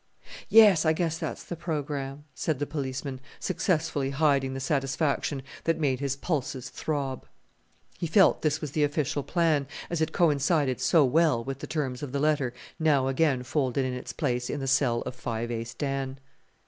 "Yes, I guess that's the programme," said the policeman, successfully hiding the satisfaction that made his pulses throb. He felt this was the official plan, as it coincided so well with the terms of the letter now again folded in its place in the cell of Five Ace Dan.